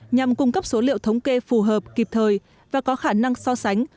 nhằm cung cấp số liệu thống kê phù hợp kịp thời và có khả năng so sánh